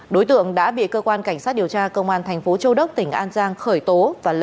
đối tượng đã bị cơ quan cảnh sát điều tra công an tp châu đốc tỉnh an giang khởi tố